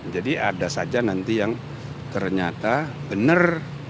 jadi ada saja nanti yang ternyata benar